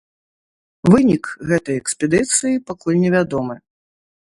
Вынік гэтай экспедыцыі пакуль невядомы.